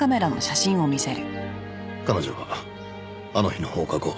彼女はあの日の放課後。